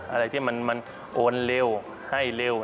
อะไรที่มันโอนเร็วให้เร็ว